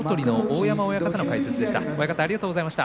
大山親方の解説でした。